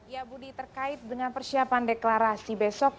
ya budi terkait dengan persiapan deklarasi besok